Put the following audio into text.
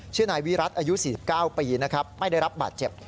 นายวิรัติอายุ๔๙ปีนะครับไม่ได้รับบาดเจ็บ